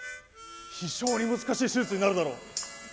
非常に難しい手術になるだろう。